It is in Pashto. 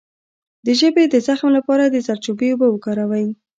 د ژبې د زخم لپاره د زردچوبې اوبه وکاروئ